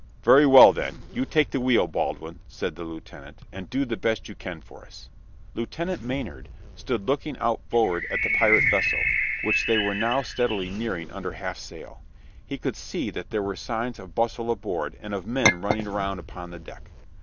"Very well, then, you take the wheel, Baldwin," said the lieutenant, "and do the best you can for us." Lieutenant Maynard stood looking out forward at the pirate vessel, which they were now steadily nearing under half sail. He could see that there were signs of bustle aboard and of men running around upon the deck.